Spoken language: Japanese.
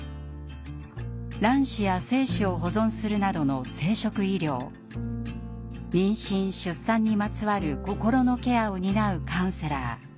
卵子や精子を保存するなどの生殖医療妊娠・出産にまつわる心のケアを担うカウンセラー。